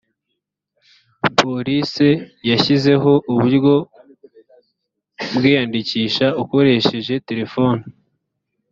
police yashyizeho uburyo bwiyandikisha ukoresheje telefone